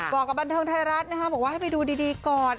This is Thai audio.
บอกกับบันเทิงไทยรัฐนะคะบอกว่าให้ไปดูดีก่อน